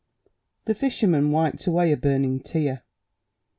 The fisherman wiped away a burning tear.